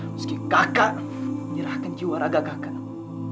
meski kakak menyerahkan jiwa raga kakak